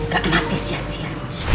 gak mati sia sia